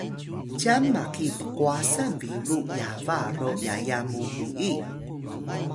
cyan maki pqwasan biru yaba ro yaya mu uyi